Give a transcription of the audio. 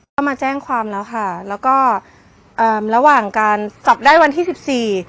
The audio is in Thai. ก็มาแจ้งความแล้วค่ะแล้วก็เอ่อระหว่างการจับได้วันที่สิบสี่